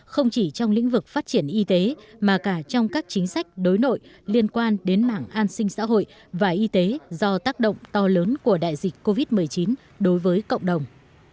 không chỉ trong lĩnh vực phát triển y tế mà cả trong các chính sách đối nội liên quan đến mảng an sinh xã hội và y tế do tác động to lớn của đại dịch covid một mươi chín đối với cộng đồng